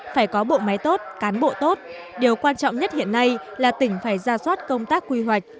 phải có bộ máy tốt cán bộ tốt điều quan trọng nhất hiện nay là tỉnh phải ra soát công tác quy hoạch